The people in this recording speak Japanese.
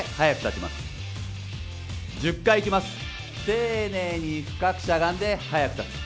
丁寧に深くしゃがんで速く立つ。